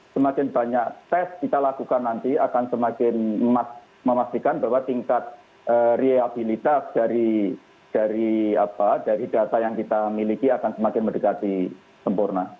semakin banyak tes kita lakukan nanti akan semakin memastikan bahwa tingkat rehabilitas dari data yang kita miliki akan semakin mendekati sempurna